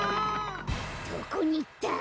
どこにいった！？